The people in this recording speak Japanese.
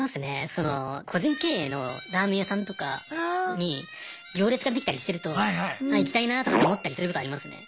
その個人経営のラーメン屋さんとかに行列ができたりしてるとあ行きたいなとかって思ったりすることありますね。